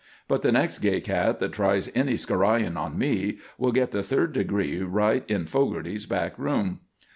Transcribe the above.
But the next gay cat that tries any scoraying on me, will get the third degree right in Fogarty's back room."